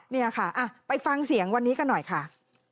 นี่ค่ะไปฟังเสียงวันนี้กันหน่อยค่ะ